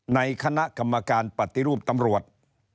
ในคณะกรรมการปฏิรูปตำรวจ